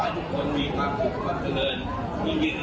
ยินดีกว่าใคร